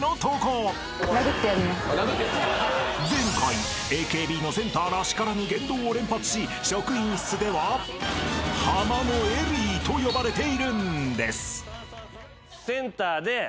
［前回ＡＫＢのセンターらしからぬ言動を連発し職員室ではハマのエリイと呼ばれているんです］